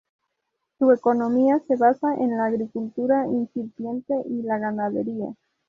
Su economía se basa en la agricultura incipiente y la ganadería.